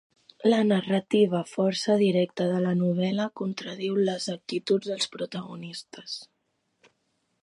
La narrativa força directa de la novel·la contradiu les actituds dels protagonistes.